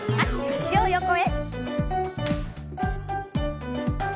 脚を横へ。